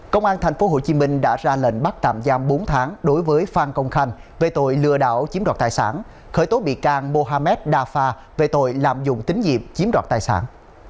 công an tp hcm đã ra lệnh bắt tạm giam bốn tháng đối với phan công khanh về tội lừa đảo chiếm đoạt tài sản khởi tố bị can mohamed dafa về tội lạm dụng tín nhiệm chiếm đoạt tài sản